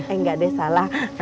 enggak deh saya inget juga